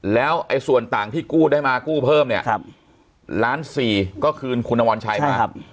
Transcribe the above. แล้วไอ้ส่วนต่างที่กู้ได้มากู้เพิ่มเนี้ยครับล้านสี่ก็คืนคุณวรชัยมาใช่ครับ